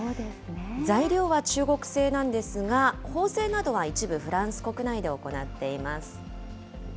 材料は中国製なんですが、縫製などは一部、フランス国内で行っています。